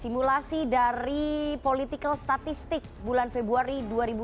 simulasi dari political statistik bulan februari dua ribu dua puluh